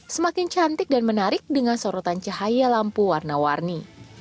semakin cantik dan menarik dengan sorotan cahaya lampu warna warni